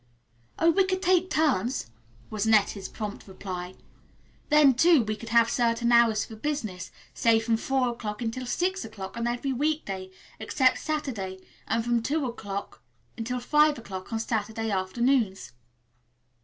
"Oh, we could take turns," was Nettie's prompt reply. "Then, too, we could have certain hours for business, say from four o'clock until six on every week day, except Saturday and from two o'clock until five on Saturday afternoons."